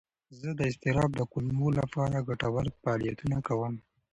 زه د اضطراب د کمولو لپاره ګټور فعالیتونه کوم.